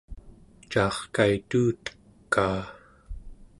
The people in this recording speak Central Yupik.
caarkaituutekaa